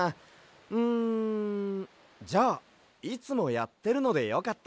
んじゃあいつもやってるのでよかったら。